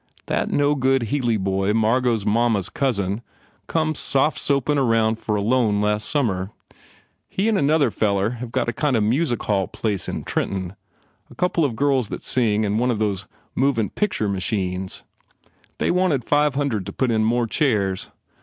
"That no good Healy boy Margot s mamma s cousin, come soft soapin round for a loan last summer. He and another feller have a kind of music hall place in Trenton. A couple of girls that sing and one of those movin picsher machines. They wanted five hundred to put in more chairs.